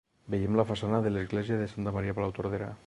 Veiem la façana de l'església de Santa Maria de Palautordera